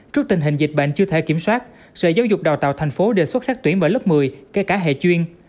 trước tình hình dịch bệnh chưa thể kiểm soát sở giáo dục đào tạo thành phố đề xuất sát tuyển vào lớp một mươi kể cả hệ chuyên